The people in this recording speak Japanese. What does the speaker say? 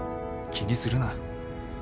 気にするな。